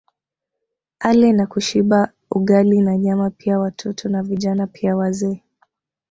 Ale na kushiba Ugali na Nyama pia watoto na Vijana pia wazee